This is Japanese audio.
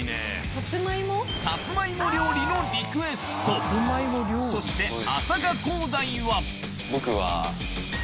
サツマイモ料理のリクエストそして僕は。